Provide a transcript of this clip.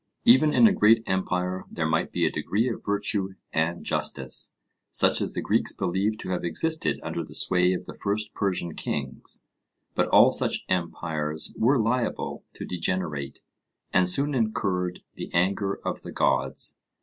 Even in a great empire there might be a degree of virtue and justice, such as the Greeks believed to have existed under the sway of the first Persian kings. But all such empires were liable to degenerate, and soon incurred the anger of the gods.